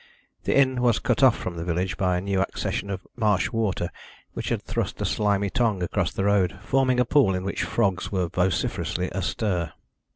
The inn was cut off from the village by a new accession of marsh water which had thrust a slimy tongue across the road, forming a pool in which frogs were vociferously astir.